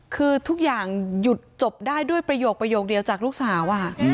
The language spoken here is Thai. คือทุกอย่างหยุดจบได้ด้วยประโยคเดียวจากลูกสาว